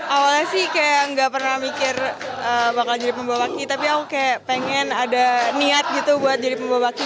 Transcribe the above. awalnya sih kayak nggak pernah mikir bakal jadi pembawa baki tapi aku kayak pengen ada niat gitu buat jadi pembawa baki